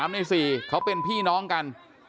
ใน๔เขาเป็นพี่น้องกัน